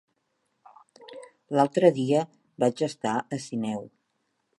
L'altre dia vaig estar a Sineu.